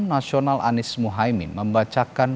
nasional anies mohaimin membacakan